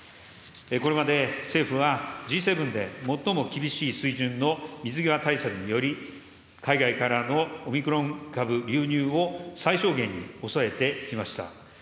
これまで政府はＧ７で最も厳しい水準の水際対策により、海外からのオミクロン株流入を最小限に抑えてきました。